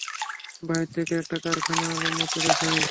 বাহিরে থেকে একটা কারখানার মতো দেখায়।